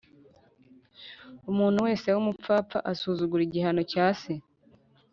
Umuntu wese w’umupfapfa asuzugura igihano cya se